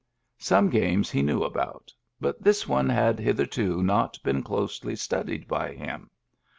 Some games he knew about, but this one had hitherto not been closely studied by him.